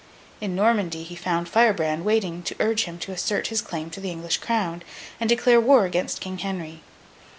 In Normandy, he found Firebrand waiting to urge him to assert his claim to the English crown, and declare war against King Henry.